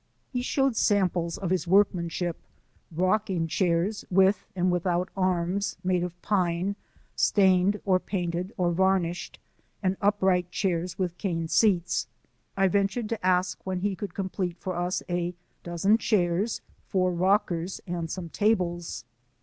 He showed samples of his FACE TO FACE WITH THE MEXICANS. workmanship, rocking chairs with and without arms, made of pine, stained or painted or varnished, and upright chairs with cane seatf. I ventured to ask when he could complete for us a dozen chairs, four rockers, and some tables.